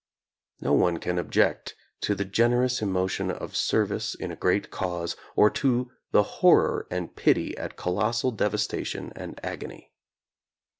No one can object to the generous emotions of service in a great cause or to the horror and pity at colossal devastation and agony.